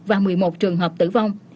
và một mươi một trường hợp tử vong